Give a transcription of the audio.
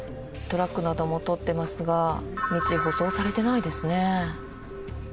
トラックなども通っていますが道、舗装されてないですね。